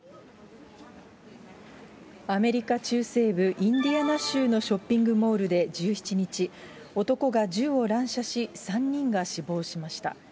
アメリカ中西部インディアナ州のショッピングモールで１７日、男が銃を乱射し、３人が死亡しました。